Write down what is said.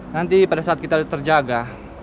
nanti pada saat kita terjaga